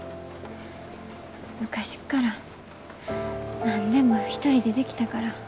昔から何でも一人でできたから。